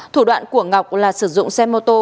thủ đoạn của ngọc là sử dụng xe mô tô